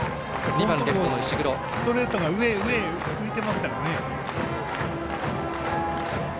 ストレートが上へ浮いてますからね。